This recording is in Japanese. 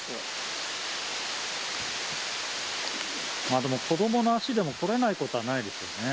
ああ、でも子どもの足でも、来れないことはないですよね。